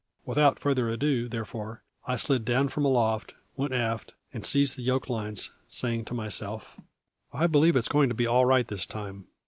Without further ado, therefore, I slid down from aloft, went aft, and seized the yoke lines, saying to myself: "I believe it's going to be all right this time.